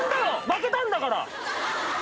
負けたんだから。